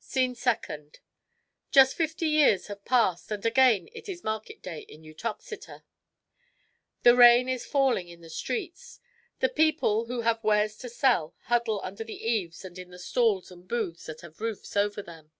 SCENE SECOND. Just fifty years have passed, and again it is market day at Uttoxeter. The rain is falling in the streets. The people DR. JOHNSON AND HIS FATHER 57 who have wares to sell huddle under the eaves and in the stalls and booths that have roofs above them.